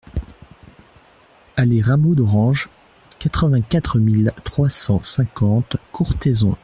Allée Raimbaud d'Orange, quatre-vingt-quatre mille trois cent cinquante Courthézon